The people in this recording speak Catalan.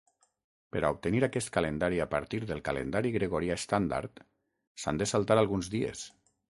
Per a obtenir aquest calendari a partir del calendari gregorià estàndard, s'han de saltar alguns dies.